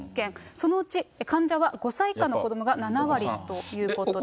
そのうち、患者は５歳以下の子どもの７割ということです。